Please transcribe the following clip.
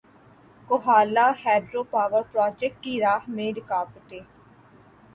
Kohala hydro power project کی راہ میں رکاوٹیں